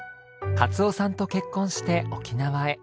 克雄さんと結婚して沖縄へ。